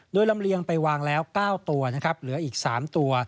โดยลำเลียงไปวางแล้ว๙ตัวนะครับเหลืออีก๓ตัว